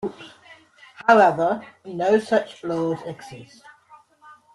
However, no such laws exist.